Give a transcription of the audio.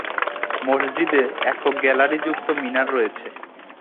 মসজিদে একক-গ্যালারিযুক্ত মিনার রয়েছে।